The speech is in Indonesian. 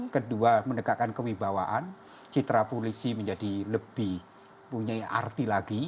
kedua menegakkan kewibawaan citra polisi menjadi lebih punya arti lagi